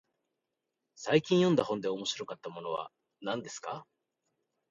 最近読んだ本で面白かったものは何ですか。